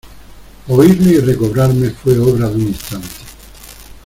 oírle y recobrarme fué obra de un instante.